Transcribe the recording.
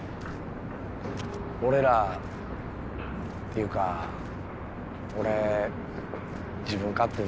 俺らっていうか俺自分勝手でごめんな。